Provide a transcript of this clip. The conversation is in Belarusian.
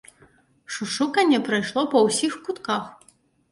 Шушуканне прайшло па ўсіх кутках.